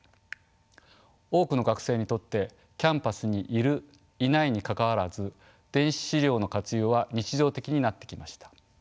多くの学生にとってキャンパスにいるいないにかかわらず電子資料の活用は日常的になってきました。